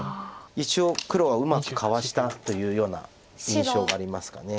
一応黒はうまくかわしたというような印象がありますかね。